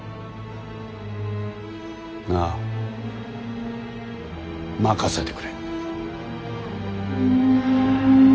ああ任せてくれ。